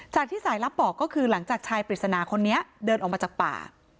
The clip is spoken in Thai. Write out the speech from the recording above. ที่สายลับบอกก็คือหลังจากชายปริศนาคนนี้เดินออกมาจากป่า